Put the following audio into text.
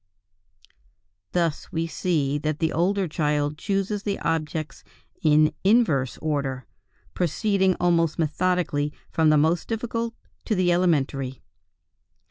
Thus we see that the older child chooses the objects in inverse order, proceeding almost methodically from the most difficult to the elementary.